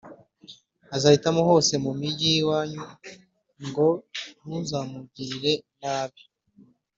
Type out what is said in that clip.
azahitamo hose mu migi y iwanyu g Ntuzamugirire nabi h